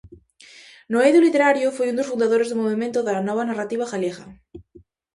No eido literario foi un dos fundadores do movemento da Nova Narrativa Galega.